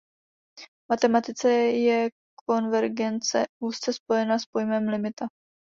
V matematice je konvergence úzce spojena s pojmem limita.